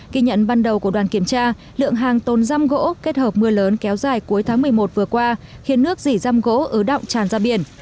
kỳ nhận ban đầu của đoàn kiểm tra lượng hàng tồn răm gỗ kết hợp mưa lớn kéo dài cuối tháng một mươi một vừa qua khiến nước dỉ răm gỗ ứ động tràn ra biển